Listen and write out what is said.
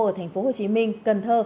ở thành phố hồ chí minh cần thơ